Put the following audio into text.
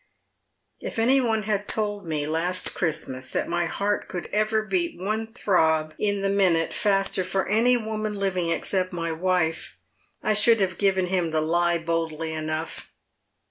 " If any one had told me last Christmas that my heart could ever beat one throb in the minute faster for any woman living except my wife, 1 should have given him the lie boldly enough.